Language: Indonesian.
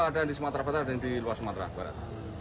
ada yang di sumatera barat ada yang di luar sumatera barat